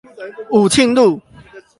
武慶路